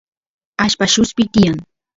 allpa lluspi tiyan